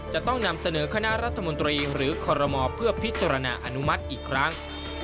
จะต้องนำเสนอคณะรัฐมนตรีหรือคอรมอเพื่อพิจารณาอนุมัติอีกครั้ง